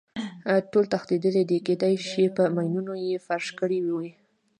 ټول تښتېدلي دي، کېدای شي په ماینونو یې فرش کړی وي.